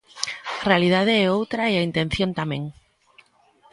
A realidade é outra e a intención tamén.